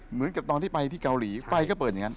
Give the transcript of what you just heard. เหมือนกับตอนที่ไปที่เกาหลีไฟก็เปิดอย่างนั้น